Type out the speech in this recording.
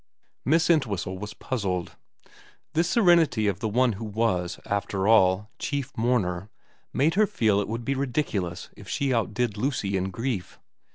Miss Entwhistle was puzzled. This serenity of the one who was, after all, chief mourner, made her feel it would be ridiculous if she outdid Lucy in grief.